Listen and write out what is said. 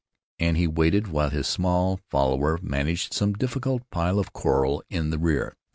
and he waited while his small follower managed some difficult pile of coral in the rear.